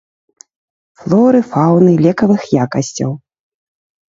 Флоры, фаўны, лекавых якасцяў.